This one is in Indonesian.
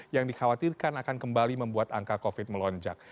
yang dikhawatirkan akan kembali membuat angka covid melonjak